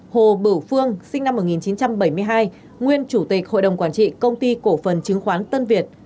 bốn hồ bửu phương sinh năm một nghìn chín trăm bảy mươi hai nguyên chủ tịch hội đồng quản trị công ty cổ phần chứng khoán tân việt